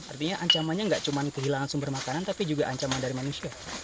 artinya ancamannya nggak cuma kehilangan sumber makanan tapi juga ancaman dari manusia